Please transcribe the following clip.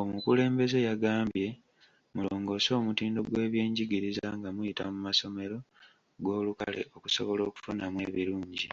Omukulembeze yagambye, mulongoose omutindo gw'ebyenjigiriza nga muyita mu masomero g'olukale okusobola okufunamu ebirungi.